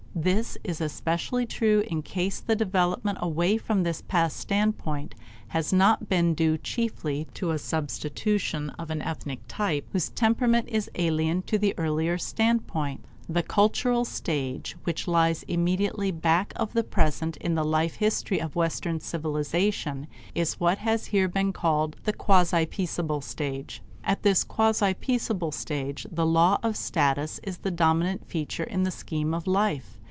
This is especially true in case the development away from this past standpoint has not been due chiefly to a substitution of an ethnic type whose temperament is alien to the earlier standpoint. The cultural stage which lies immediately back of the present in the life history of Western civilization is what has here been called the quasi peaceable stage. At this quasi peaceable stage the law of status is the dominant feature in the scheme of life.